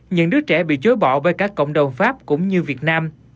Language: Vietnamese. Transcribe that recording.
những đứa trẻ bị chối bỏ bởi các cộng đồng pháp cũng như việt nam